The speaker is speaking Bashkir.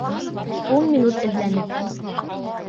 Ун минут эҙләнек!